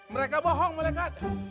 mereka bohong mereka